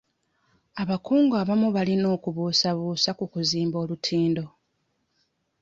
Abakungu abamu balina okubuusabuusa ku kuzimba olutindo.